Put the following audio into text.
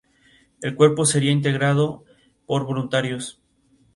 El cuerpo sería integrado por voluntarios.